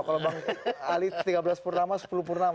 kalau bang ali tiga belas purnama sepuluh purnama